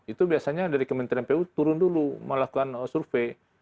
itu biasanya dari kementerian pu turun dulu melakukan survei